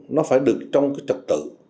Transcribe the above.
nó phải được trong cái trật tự